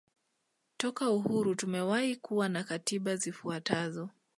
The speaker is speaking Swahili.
Toka uhuru tumewahi kuwa na katiba zifuatazo